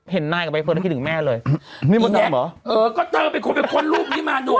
เห็นนายกับไอ้เพื่อนแล้วคิดถึงแม่เลยนี่มันนำเหรอเออก็เธอเป็นคนเป็นคนรูปนี้มาหนู